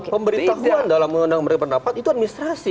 pemberitahuan dalam mengundang pendapat itu administrasi